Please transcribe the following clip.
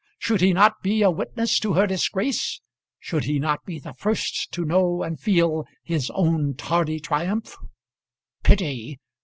Should he not be a witness to her disgrace? Should he not be the first to know and feel his own tardy triumph? Pity!